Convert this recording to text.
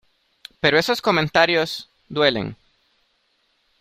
pero esos comentarios, duelen.